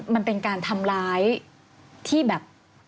มันเป็นการทำร้ายที่แบบ